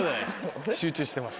集中してます。